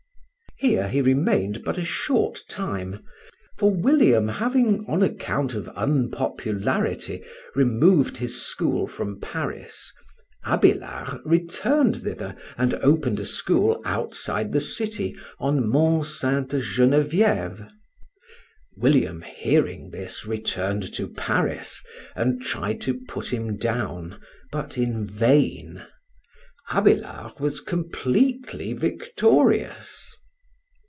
Here he remained but a short time; for, William having on account of unpopularity removed his school from Paris Abélard returned thither and opened a school outside the city, on Mont Ste. Généviève. William, hearing this, returned to Paris and tried to put him down, but in vain. Abélard was completely victorious.